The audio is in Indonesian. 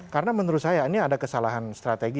karena menurut saya ini ada kesalahan strategi